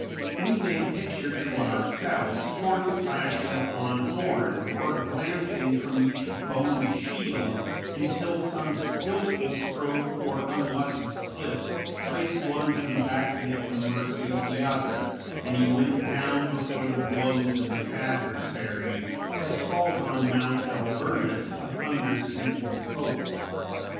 We may picture to ourselves horn clashing upon horn, or glancing from each bony shield until some skilful stroke or unlucky slip placed one combatant at the mercy of the other, and he went down before the blows of his adversary "as falls on Mount Alvernus a thunder smitten oak."